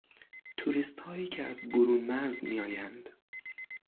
توریستهایی که از برون مرز میآیند